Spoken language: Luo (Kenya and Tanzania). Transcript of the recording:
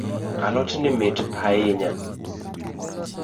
Alotni mit hainya.